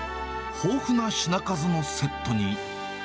豊富な品数のセットに。